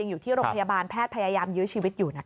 อยู่ที่โรงพยาบาลแพทย์พยายามยื้อชีวิตอยู่